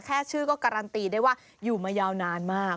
แค่ชื่อก็การันตีได้ว่าอยู่มายาวนานมาก